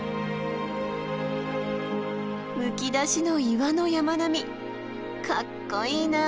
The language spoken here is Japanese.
むき出しの岩の山並みかっこいいなあ。